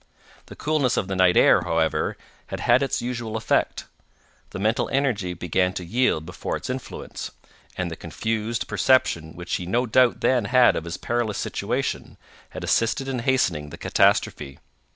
The coolness of the night air, however, had had its usual effect—the mental energy began to yield before its influence—and the confused perception which he no doubt then had of his perilous situation had assisted in hastening the catastrophe.